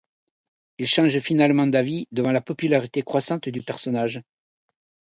Il change finalement d'avis devant la popularité croissante du personnage.